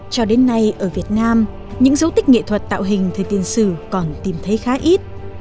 cho đến nay ở việt nam những dấu tích nghệ thuật tạo hình thời tiên sử còn tìm thấy khá ít